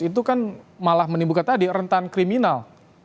itu kan malah menimbulkan tadi rentan kriminal